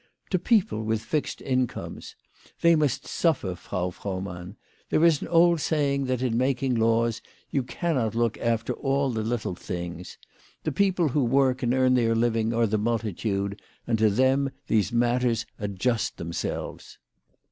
" To people with fixed incomes. They must suffer, Frau Frohmann. There is an old saying that in making laws you cannot look after all the little things. The people who work and earn their living are the multitude, and to them these matters adjust them selves.